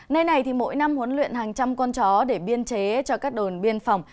nơi này thì mỗi năm huấn luyện hàng trăm con chó để biên chế cho các đồn biên phòng